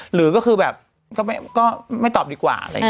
หรือก็คือว่าก็ไม่ตอบดีกว่า